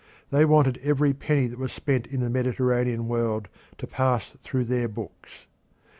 They wanted every penny that was spent in the Mediterranean world to pass through their books.